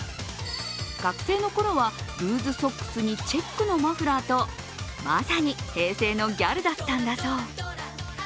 学生の頃はルーズソックスにチェックのマフラーとまさに平成のギャルだったんだそう。